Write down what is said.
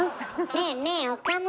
ねえねえ岡村。